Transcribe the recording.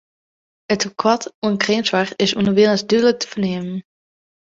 It tekoart oan kreamsoarch is ûnderwilens dúdlik te fernimmen.